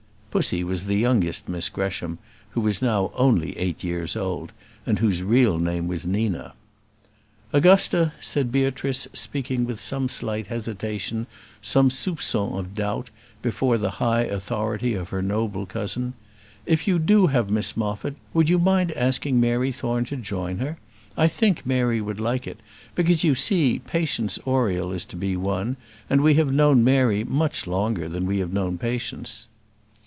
Pussy was the youngest Miss Gresham, who was now only eight years old, and whose real name was Nina. "Augusta," said Beatrice, speaking with some slight hesitation, some soupçon of doubt, before the high authority of her noble cousin, "if you do have Miss Moffat would you mind asking Mary Thorne to join her? I think Mary would like it, because, you see, Patience Oriel is to be one; and we have known Mary much longer than we have known Patience."